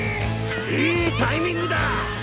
いいタイミングだ。